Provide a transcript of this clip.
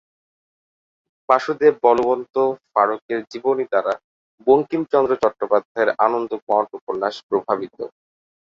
বাসুদেব বলবন্ত ফাড়কের জীবনী দ্বারা বঙ্কিমচন্দ্র চট্টোপাধ্যায়ের আনন্দমঠ উপন্যাস প্রভাবিত।